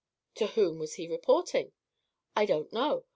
'" "To whom was he reporting?" "I don't know.